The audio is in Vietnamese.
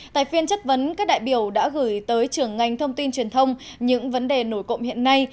tại phiên chất vấn các đại biểu đã gửi tới trưởng ngành thông tin truyền thông những vấn đề nổi cộng hiện nay